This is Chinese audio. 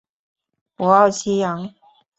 博奥西扬。